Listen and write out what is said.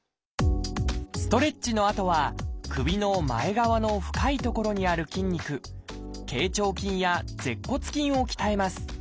ストレッチのあとは首の前側の深い所にある筋肉頚長筋や舌骨筋を鍛えます。